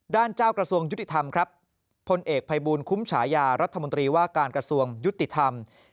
เจ้ากระทรวงยุติธรรมครับพลเอกภัยบูลคุ้มฉายารัฐมนตรีว่าการกระทรวงยุติธรรม